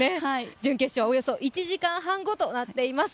準決勝はおよそ１時間半後となっています。